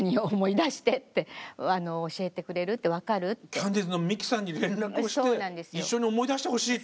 キャンディーズのミキさんに連絡をして一緒に思い出してほしいと。